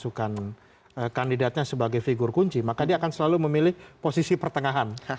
masukkan kandidatnya sebagai figur kunci maka dia akan selalu memilih posisi pertengahan